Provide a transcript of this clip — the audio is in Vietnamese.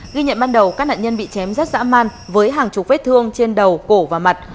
ghi nhận ban đầu các nạn nhân bị chém rất dã man với hàng chục vết thương trên đầu cổ và mặt